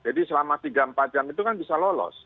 jadi selama tiga empat jam itu kan bisa lolos